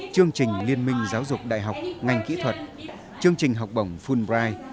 chương trình liên minh giáo dục đại học ngành kỹ thuật chương trình học bổng fulbright